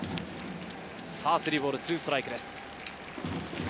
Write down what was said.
３ボール２ストライクです。